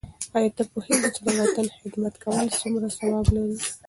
آیا ته پوهېږې چې د وطن خدمت کول څومره ثواب لري؟